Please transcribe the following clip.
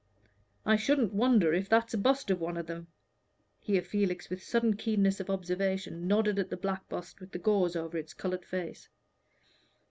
I shouldn't wonder if that's a bust of one of them." Here Felix, with sudden keenness of observation, nodded at the black bust with the gauze over its colored face.